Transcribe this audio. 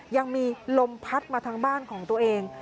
ยังมีลมพัดมาทางบ้านของตัวเอง